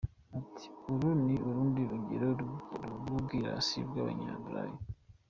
Ati “Uru ni urundi rugero rw’ubwirasi bw’Abanyaburayi.